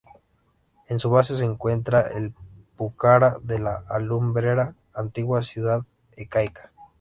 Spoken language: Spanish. En su base se encuentra el Pucará de la Alumbrera, antigua ciudadela incaica.